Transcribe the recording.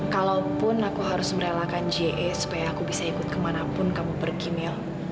kalaupun aku harus merelakan ja supaya aku bisa ikut kemanapun kamu berkimil